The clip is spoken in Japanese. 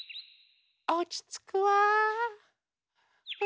おちつくわ。